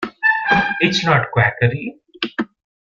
It's not quackery.